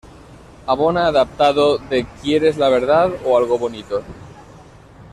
Abona adaptado de "Quieres la Verdad o Algo Bonito?